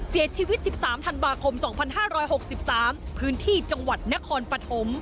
เสียชีวิต๑๓ธันวาคม๒๕๖๓พื้นที่จังหวัดนครปฐม